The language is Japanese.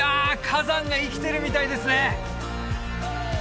火山が生きてるみたいですね